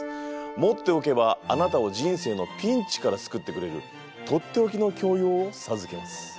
持っておけばあなたを人生のピンチから救ってくれるとっておきの教養を授けます。